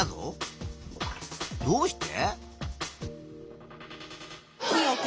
どうして？